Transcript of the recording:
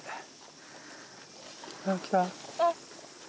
あっ。